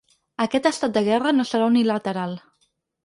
Aquest estat de guerra no serà unilateral.